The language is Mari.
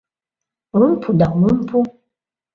«Ом пу да ом пу.